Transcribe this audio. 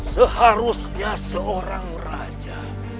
seharusnya seorang raja